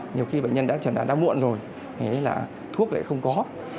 nhiều khi bệnh nhân đã trở nạn đã muộn rồi thuốc lại không có